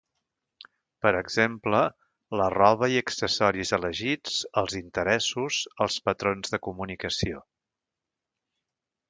Per exemple, la roba i accessoris elegits, els interessos, els patrons de comunicació.